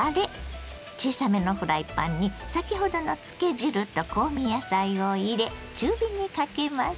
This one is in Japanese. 小さめのフライパンに先ほどの漬け汁と香味野菜を入れ中火にかけます。